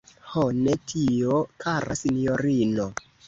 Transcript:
Ho, ne tio, kara sinjorino!